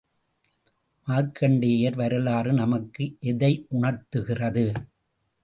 மார்க்கண்டேயர் வரலாறு நமக்கு எதையுணர்த்துகிறது?